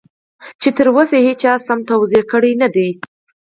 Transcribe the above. چې تر اوسه هېچا سم توضيح کړی نه دی.